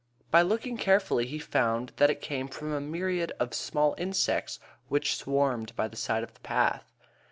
By looking carefully he found that it came from a myriad of small insects which swarmed by the side of the path.